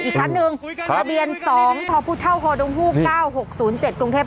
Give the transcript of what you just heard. อีกครั้งหนึ่งทะเบียนสองท้อผู้เช่าโฮดุงภูก้าวหกศูนย์เจ็ดกรุงเทพฯ